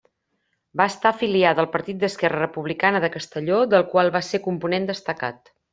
Va estar afiliada al Partit d’Esquerra Republicana de Castelló del qual va ser component destacat.